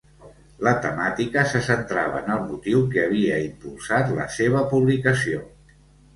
La temàtica se centrava en el motiu que havia impulsat la seva publicació.